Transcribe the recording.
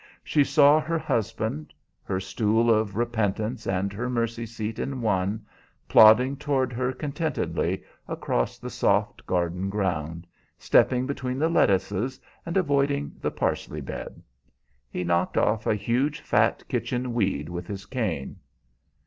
She saw her husband, her stool of repentance and her mercy seat in one, plodding toward her contentedly across the soft garden ground, stepping between the lettuces and avoiding the parsley bed. He knocked off a huge fat kitchen weed with his cane.